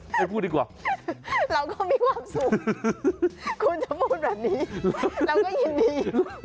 ไปพูดดีกว่าเราก็มีความสุขคุณจะพูดแบบนี้เราก็ยินดี